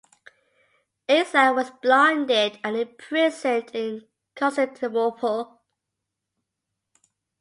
Isaac was blinded and imprisoned in Constantinople.